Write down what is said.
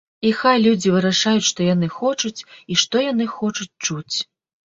І хай людзі вырашаюць, што яны хочуць, і што яны хочуць чуць.